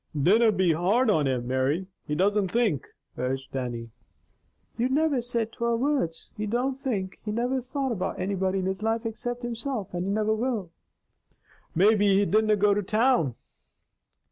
"Dinna be hard on him, Mary. He doesna think," urged Dannie. "You niver said twer words. He don't think. He niver thought about anybody in his life except himself, and he niver will." "Maybe he didna go to town!"